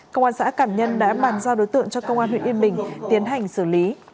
công an xã cảm nhân đã bàn giao đối tượng cho công an huyện yên bình tiến hành xử lý